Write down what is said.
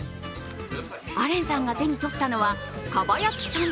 アレンさんが手に取ったのは蒲焼さん